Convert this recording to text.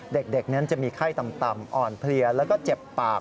เด็กนั้นจะมีไข้ต่ำอ่อนเพลียแล้วก็เจ็บปาก